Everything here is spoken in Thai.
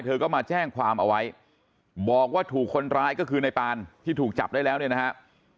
เธอก็มาแจ้งความเอาไว้บอกว่าถูกคนร้ายก็คือในปานที่ถูกจับได้แล้วเนี่ยนะฮะ